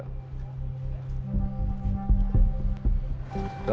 jangan ikut kami